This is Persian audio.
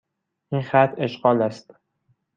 این خط اشغال است.